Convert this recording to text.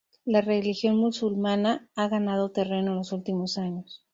La religión musulmana ha ganado terreno en los últimos años.